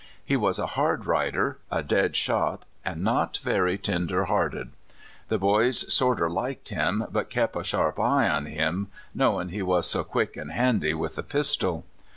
He was a hard rider, a dead shot, an' not very tender hearted. The boys sorter liked him, but kep' a sharp eve on him, knowin' he was so quick an' handy with a pistol.